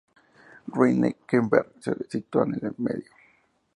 Riney-Kehrberg se sitúa en el medio.